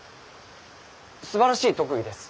すばらしい特技です。